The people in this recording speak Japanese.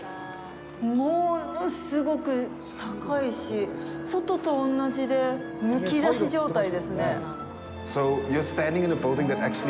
ものすごく高いし、外と同じでむき出し状態でね。